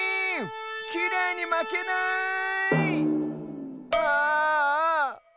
きれいにまけない！ああ。